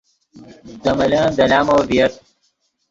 دے ملن دے لامو ڤییت